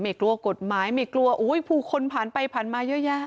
กลัวกฎหมายไม่กลัวอุ้ยผู้คนผ่านไปผ่านมาเยอะแยะ